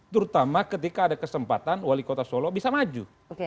terutama ketika ada kesempatan wali kota solo bisa maju